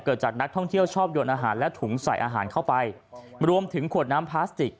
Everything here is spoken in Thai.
จากนักท่องเที่ยวชอบยนอาหารและถุงใส่อาหารเข้าไปรวมถึงขวดน้ำพลาสติก